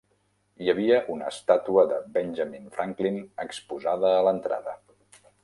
Hi havia una estàtua de Benjamin Franklin exposada a l'entrada.